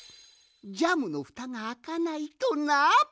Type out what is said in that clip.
ジャムのふたがあかないとな！